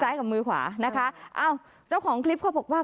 มือซ้ายกับมือขวานะคะแล้วของคลิปเขาบอกว่า